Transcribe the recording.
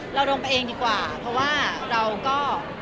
เราลงไปเองดีกว่าเพราะว่าเราก็